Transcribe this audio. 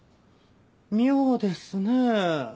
妙ですねえ。